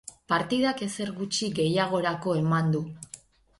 Partidak ezer gutxi gehiagorako eman du.